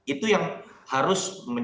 itu yang harus menjelaskan